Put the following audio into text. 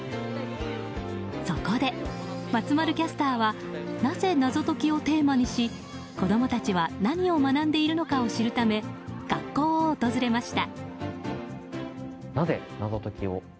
そこで、松丸キャスターはなぜ謎解きをテーマにし子供たちは何を学んでいるのかを知るため学校を訪れました。